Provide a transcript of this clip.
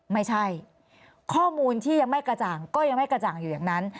ไม่ใช่ข้อมูลที่ยังไม่กระจ่างก็ยังไม่กระจ่างอยู่อย่างนั้น